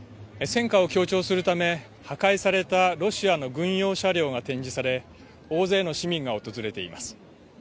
戦果を強調するため破壊されたロシアの軍用車両が展示され大勢の市民が訪れています。